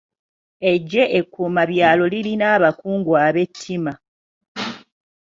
Eggye ekkuumabyalo lirina abakungu ab'ettima.